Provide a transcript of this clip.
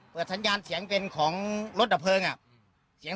เปิดสัญญาณเสียงเป็นของรถดับพลิง